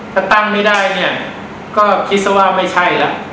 ถ้าตั้งไม่ได้เนี่ยก็คิดซะว่าไม่ใช่แล้ว